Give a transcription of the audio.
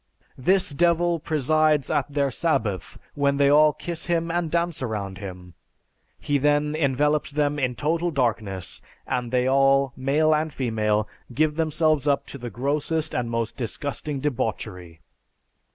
This Devil presides at their sabbath when they all kiss him and dance around him. He then envelops them in total darkness, and they all, male and female, give themselves up to the grossest and most disgusting debauchery."